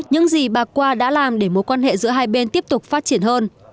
những gì bà qua đã làm để mối quan hệ giữa hai bên tiếp tục phát triển hơn